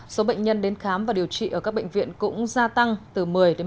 số bệnh nhân đến khám và điều trị ở các bệnh viện cũng gia tăng từ một mươi một mươi